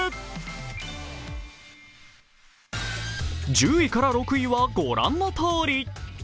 １０位から６位は御覧のとおり。